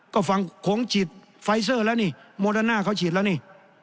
ก็ฟังโขงฉีดไฟเซอร์แล้วนี่โมเดอร์น่าเขาฉีดแล้วนี่